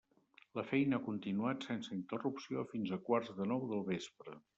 La feina ha continuat sense interrupció fins a quarts de nou del vespre.